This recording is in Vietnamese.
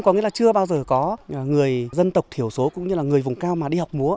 có nghĩa là chưa bao giờ có người dân tộc thiểu số cũng như là người vùng cao mà đi học múa